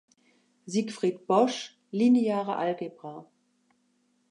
Siegfried Bosch: "Lineare Algebra.